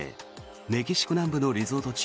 メキシコ南部のリゾート地